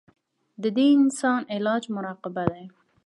د دې اسان علاج مراقبه دے -